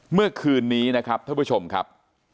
เมื่อคืนนี้นะครับท่านผู้ชมครับ